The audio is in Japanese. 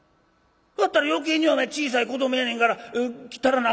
「だったら余計に小さい子どもやねんから切ったらなあ